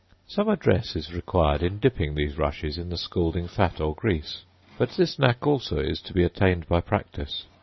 Some address is required in dipping these rushes in the scalding fat or grease; but this knack also is to be attained by practice.